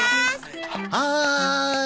はい！